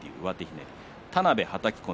田邉、はたき込み。